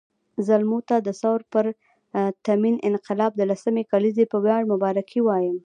زلمو ته د ثور پرتمین انقلاب د لسمې کلېزې په وياړ مبارکي وایم